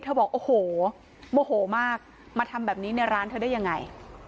บอกโอ้โหโมโหมากมาทำแบบนี้ในร้านเธอได้ยังไง